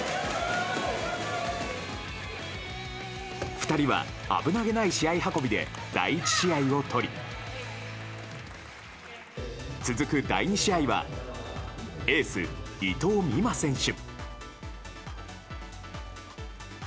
２人は危なげない試合運びで第１試合を取り続く第２試合はエース、伊藤美誠選手。